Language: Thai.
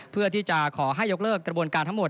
เพื่อที่จะขอให้ยกเลิกกระบวนการทั้งหมด